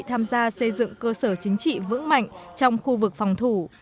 tham gia xây dựng cơ sở chính trị vững mạnh trong khu vực phòng thủ